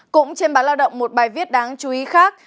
cũng trên báo lao động một bài viết đáng chú ý khác